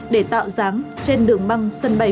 để tạo dáng trên đường băng sân bay